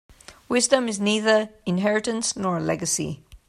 Wisdom is neither inheritance nor a legacy.